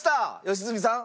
良純さん。